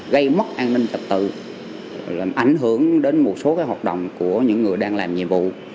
gây mất an ninh trật tự làm ảnh hưởng đến một số hoạt động của những người đang làm nhiệm vụ